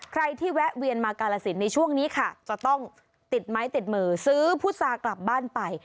ใครที่แวะเวียนมากาลสินในช่วงนี้ค่ะจะต้องติดไม้ติดมือซื้อพุษากลับบ้านไป